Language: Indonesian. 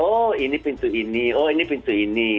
oh ini pintu ini oh ini pintu ini